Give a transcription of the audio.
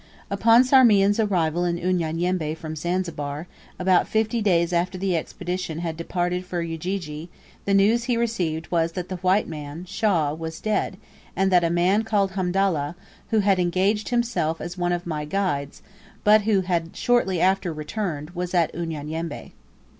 Upon Sarmean's arrival in Unyanyembe from Zanzibar, about fifty days after the Expedition had departed for Ujiji the news he received was that the white man (Shaw) was dead; and that a man called Hamdallah, who had engaged himself as one of my guides, but who had shortly after returned, was at Unyanyembe.